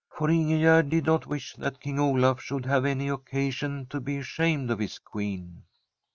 For Ingegerd did not wish that King Olaf should have any occasion to be ashamed of his Queen.